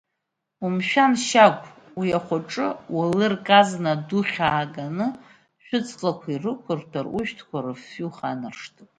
Умшәан, Шьагә, уи ахәаҿы уалырк азна адухь ааганы шәыҵлақәа ирықәырҭәар, ушәҭқәа рыфҩы уханаршҭып!